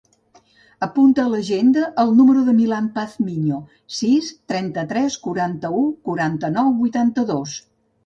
Apunta a l'agenda el número del Milan Pazmiño: sis, trenta-tres, quaranta-u, quaranta-nou, vuitanta-dos.